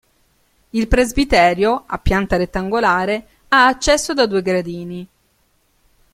Il presbiterio, a pianta rettangolare, ha accesso da due gradini.